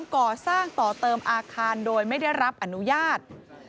ก่อสร้างต่อเติมอาคารโดยไม่ได้รับอนุญาต